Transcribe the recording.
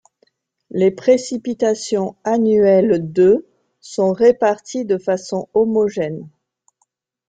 Les précipitations annuelles de sont réparties de façon homogène.